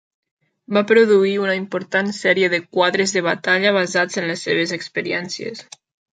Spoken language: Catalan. Va produir una important sèrie de quadres de batalla basats en les seves experiències.